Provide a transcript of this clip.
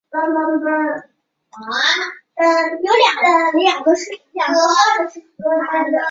细画眉草为禾本科细画眉草属下的一个种。